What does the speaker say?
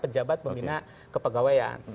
jabat pembinaan kepegawaian